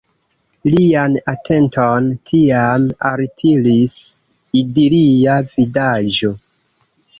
Lian atenton tiam altiris idilia vidaĵo.